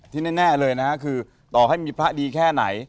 แน่เลยนะฮะคือต่อให้มีพระดีแค่ไหน